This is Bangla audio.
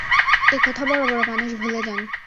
এ কথা বড় বড় মানুষ ভুলে যান।